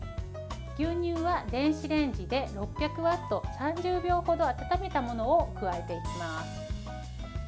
牛乳は電子レンジで６００ワット３０秒ほど温めたものを加えていきます。